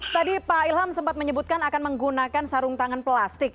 tadi pak ilham sempat menyebutkan akan menggunakan sarung tangan plastik